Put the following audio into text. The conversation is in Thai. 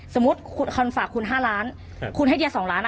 สมมุติคนฝากคุณ๕ล้านเขาให้๒ล้าน